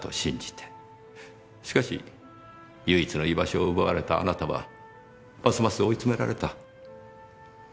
しかし唯一の居場所を奪われたあなたはますます追い詰められた。